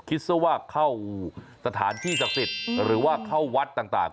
คิดซะว่าเข้าสถานที่ศักดิ์สิทธิ์หรือว่าเข้าวัดต่าง